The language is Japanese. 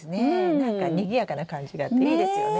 なんかにぎやかな感じがあっていいですよね。ね！